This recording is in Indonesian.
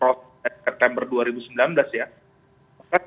september dua ribu sembilan belas ya